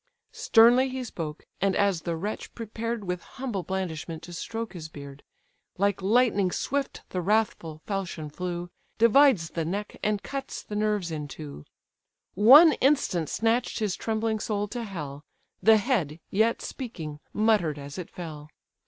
Sternly he spoke, and as the wretch prepared With humble blandishment to stroke his beard, Like lightning swift the wrathful falchion flew, Divides the neck, and cuts the nerves in two; One instant snatch'd his trembling soul to hell, The head, yet speaking, mutter'd as it fell.